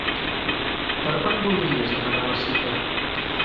Per quan voldries demanar la cita?